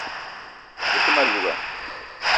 Be te ma louga